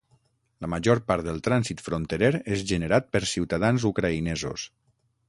La major part del trànsit fronterer és generat per ciutadans ucraïnesos.